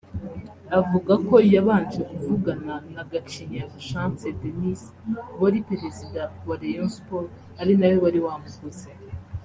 avuga ko yabanje kuvugana na Gacinya Chance Denis wari Perezida wa Rayon Sports ari nawe wari wamuguze